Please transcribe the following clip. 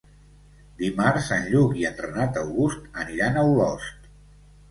Dimarts en Lluc i en Renat August aniran a Olost.